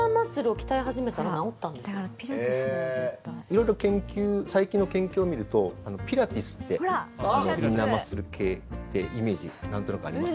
色々、最近の研究を見るとピラティスってインナーマッスル系ってイメージなんとなくあります？